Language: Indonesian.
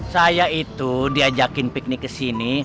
saya itu diajakin piknik kesini